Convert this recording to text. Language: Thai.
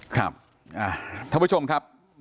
ครับทหมุชมครับ